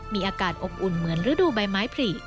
มีอากาศอบอุ่นเหมือนฤดูใบไม้ผลิ